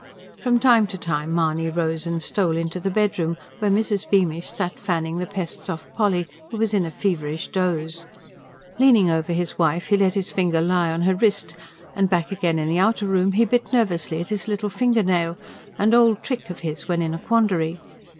From time to time Mahony rose and stole into the bedroom, where Mrs. Beamish sat fanning the pests off Polly, who was in a feverish doze. Leaning over his wife he let his finger lie on her wrist; and, back again in the outer room, he bit nervously at his little finger nail an old trick of his when in a quandary.